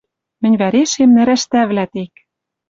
Мӹнь вӓрешем нӓрӓштӓвлӓ тек.